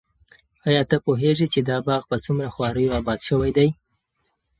ایا ته پوهېږې چې دا باغ په څومره خواریو اباد شوی دی؟